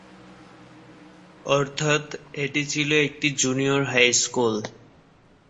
অর্থাৎ এটি ছিল একটি জুনিয়র হাই স্কুল।